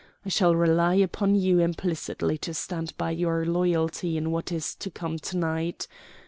I shall rely upon you implicitly to stand by your loyalty in what is to come to night.